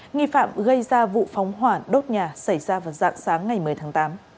nghi phạm gây ra vụ phóng hỏa đốt nhà xảy ra vào dạng sáng ngày một mươi tháng tám